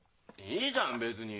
いいじゃん別に。